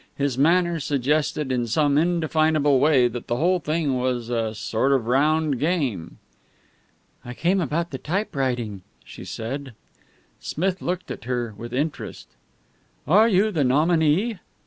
His manner suggested in some indefinable way that the whole thing was a sort of round game. "I came about the typewriting," she said. Smith looked at her with interest. "Are you the nominee?"